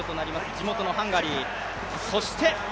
地元のハンガリー。